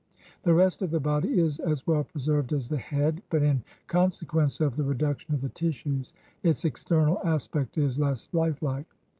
The rest of the body is as well preserved as the head; but, in conse quence of the reduction of the tissues, its external aspect is less lifelike.